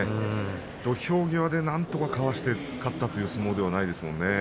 土俵際でなんとかかわして勝ったという相撲ではありません。